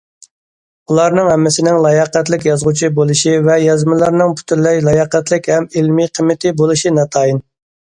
ئۇلارنىڭ ھەممىسىنىڭ لاياقەتلىك يازغۇچى بولۇشى ۋە يازمىلىرىنىڭ پۈتۈنلەي لاياقەتلىك ھەم ئىلمىي قىممىتى بولۇشى ناتايىن.